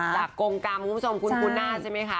ราคงกรมกรรมคุมสมคุณคุณนาซใช่ไหมคะ